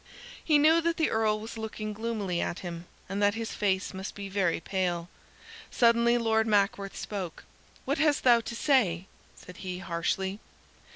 He knew that the Earl was looking gloomily at him, and that his face must be very pale. Suddenly Lord Mackworth spoke. "What hast thou to say?" said he, harshly.